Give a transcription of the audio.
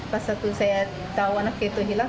pas aku tahu anak itu hilang